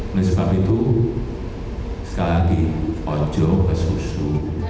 oleh sebab itu sekali lagi ojo ke susu